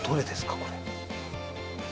これ。